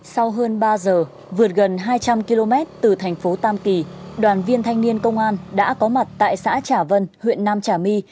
sau hơn ba giờ vượt gần hai trăm linh km từ thành phố tam kỳ đoàn viên thanh niên công an đã có mặt tại xã trà vân huyện nam trà my